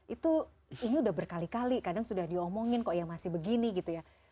itu ini udah berkali kali kadang sudah diomongin kok ya masih begini gitu ya